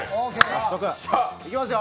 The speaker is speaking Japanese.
早速いきますよ。